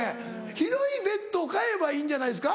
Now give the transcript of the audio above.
広いベッドを買えばいいんじゃないですか？